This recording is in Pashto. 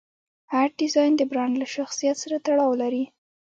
هر ډیزاین د برانډ له شخصیت سره تړاو لري.